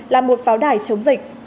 là một pháo đài chống dịch